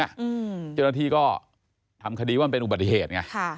เจ้าหน้าที่ก็ทำคดีว่ามันเป็นอุบัติเหตุไง